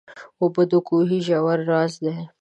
اوبه د کوهي ژور راز دي.